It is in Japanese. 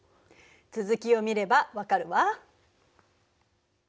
続きを見ればわかるわ。